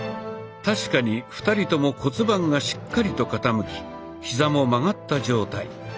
確かに２人とも骨盤がしっかりと傾きヒザも曲がった状態。